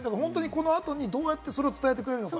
この後にどうやってそれを伝えてくれるのか？